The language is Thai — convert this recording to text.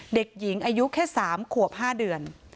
เด็กหญิงอายุแค่สามขวบห้าเดือน